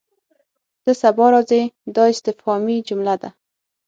ته سبا راځې؟ دا استفهامي جمله ده.